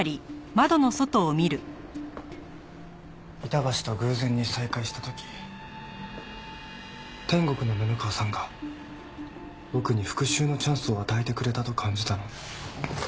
板橋と偶然に再会した時天国の布川さんが僕に復讐のチャンスを与えてくれたと感じたの。